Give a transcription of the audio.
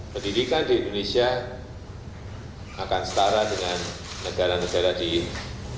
pendidikan di indonesia akan setara dengan negara negara di indonesia